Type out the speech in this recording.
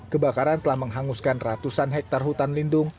kebakaran telah menghanguskan ratusan hektare hutan lindung